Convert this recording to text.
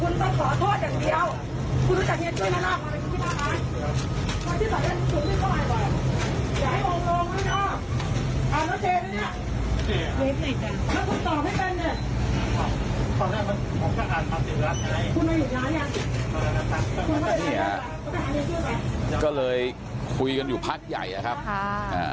เนี้ยก็เลยคุยกันอยู่พักใหญ่นะครับอ่า